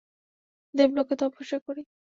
দেবলোকে তপস্যা করি।